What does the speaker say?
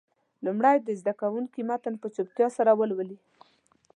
لومړی دې زده کوونکي متن په چوپتیا سره ولولي.